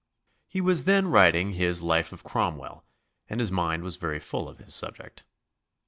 He was then writing his Life of Cromwell and his mind was very full of his subject.